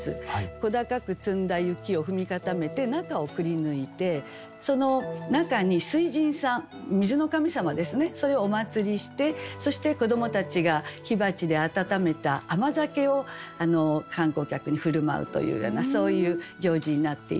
小高く積んだ雪を踏み固めて中をくりぬいてその中に水神さん水の神様ですねそれをお祀りしてそして子どもたちが火鉢で温めた甘酒を観光客に振る舞うというようなそういう行事になっています。